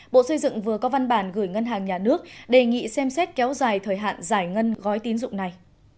bộ xây dựng vừa có văn bản gửi ngân hàng nhà nước đề nghị xem xét kéo dài thời hạn giải ngân gói tín dụng này